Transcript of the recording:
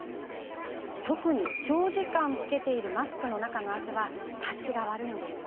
特に、長時間着けているマスクの中の汗はたちが悪いんです。